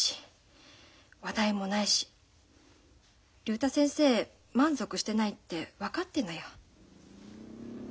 話題もないし竜太先生満足してないって分かってんのよ。